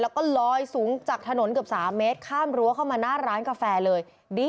แล้วก็ลอยสูงจากถนนเกือบ๓เมตรข้ามรั้วเข้ามาหน้าร้านกาแฟเลย